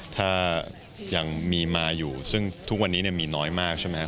ถ้ายังมีมาอยู่ซึ่งทุกวันนี้มีน้อยมากใช่ไหมครับ